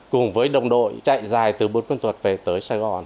cùng với đồng đội chạy dài từ bốn quân tuật về tới sài gòn